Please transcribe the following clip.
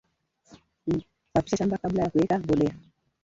safisha shamba kabla ya kuweka mbolea